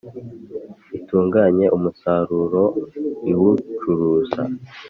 itunganya umusaruro iwucuruza